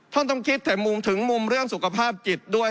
ต้องคิดแต่มุมถึงมุมเรื่องสุขภาพจิตด้วย